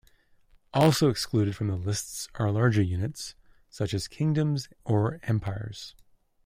Also excluded from the list are larger units, such as kingdoms or empires.